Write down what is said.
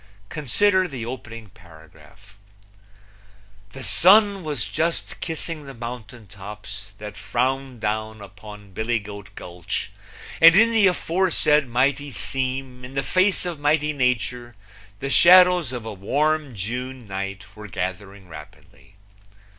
Consider the opening paragraph: The sun was just kissing the mountain tops that frowned down upon Billy Goat Gulch, and in the aforesaid mighty seam in the face of mighty Nature the shadows of a Warm June night were gathering rapidly.